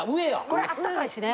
これあったかいしね。